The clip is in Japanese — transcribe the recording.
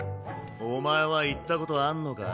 お前は行ったことあんのか？